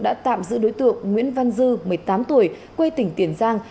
đã tạm giữ đối tượng nguyễn văn dư một mươi tám tuổi quê tỉnh tiền giang